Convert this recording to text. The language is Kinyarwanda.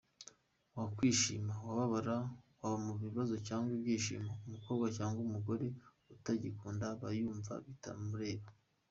Wakwishima, wababara, waba mu bibazo cyangwa ibyishimo, umukobwa cyangwa umugore utakigukunda aba yumva bitamureba.